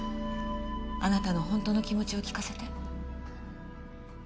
あなたの本当の気持ちを聞かせて。